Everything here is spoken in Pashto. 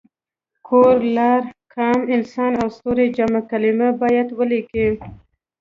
کور، لار، قام، انسان او ستوری جمع کلمې باید ولیکي.